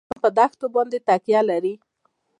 افغانستان په دښتې باندې تکیه لري.